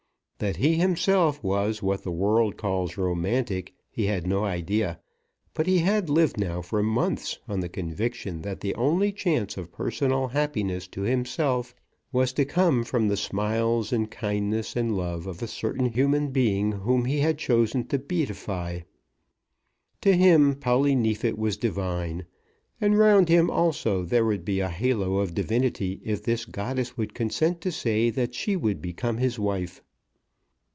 That he himself was what the world calls romantic, he had no idea, but he had lived now for months on the conviction that the only chance of personal happiness to himself was to come from the smiles and kindness and love of a certain human being whom he had chosen to beatify. To him Polly Neefit was divine, and round him also there would be a halo of divinity if this goddess would consent to say that she would become his wife.